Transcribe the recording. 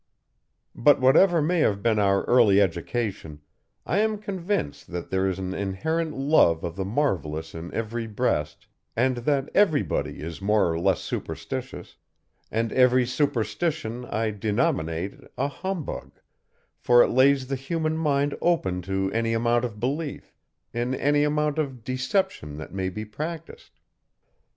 But whatever may have been our early education, I am convinced that there is an inherent love of the marvelous in every breast, and that everybody is more or less superstitious; and every superstition I denominate a humbug, for it lays the human mind open to any amount of belief, in any amount of deception that may be practised.